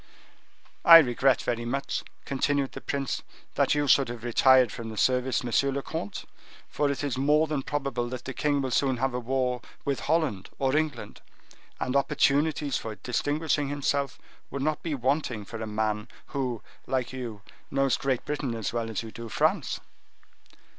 "I regret very much," continued the prince, "that you should have retired from the service, monsieur le comte; for it is more than probable that the king will soon have a war with Holland or England, and opportunities for distinguishing himself would not be wanting for a man who, like you, knows Great Britain as well as you do France."